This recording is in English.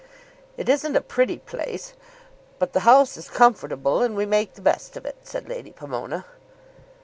"It isn't a pretty place; but the house is comfortable, and we make the best of it," said Lady Pomona.